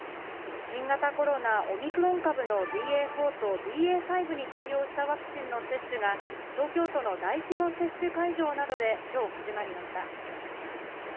新型コロナ、オミクロン株のＢＡ．４とＢＡ．５に対応したワクチンの接種が、東京都の大規模接種会場などできょう始まりました。